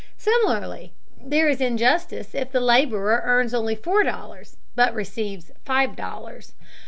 Similarly, there is injustice if the laborer earns only four dollars, but receives five dollars.